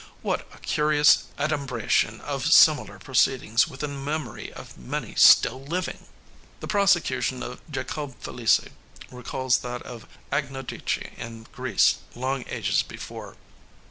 What a curious adumbration of similar proceedings within the memory of many still living! The prosecution of Jacobe Felicie recalls that of Agnodice in Greece long ages before.